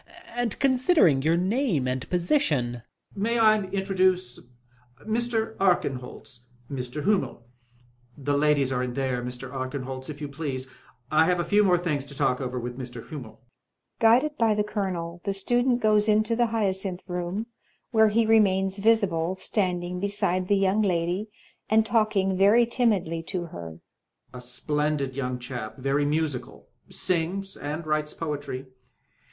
.. .and considering your name and position .... Colonel. May I introduce ?— ^Mr. Arkenholtz — ^Mr. Hum mel. The ladies are in there, Mr. Arkenholtz — if you please — ^I have a few more things to talk over with Mr. Hummel Ouided by the Colonel, the Student goes into the Hya cinih Room, where he remains visible, standing beside the Young Lady and talking very timidly to her. Colonel. A splendid yoimg chap — very musical — sings, and writes poetry.